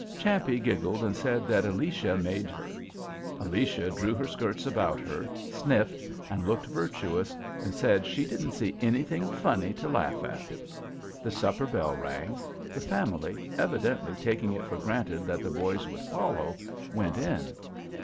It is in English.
Champe giggled and said that Alicia made her. Alcia drew her skirts about her, sniffed, and looked virtuous, and said she didn't see anything funny to laugh at. The supper bell rang. The family, evidently taking it for granted that the boys would follow, went in.